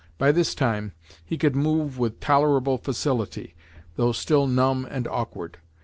By this time he could move with tolerable facility, though still numb and awkward.